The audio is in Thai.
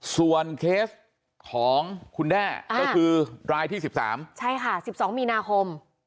ส่วนเคสของคุณแด้อ่าก็คือรายที่สิบสามใช่ค่ะสิบสองมีนาคม